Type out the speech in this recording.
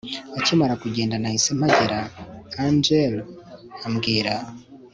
akimara kugenda nahise mpagera Angel ambwira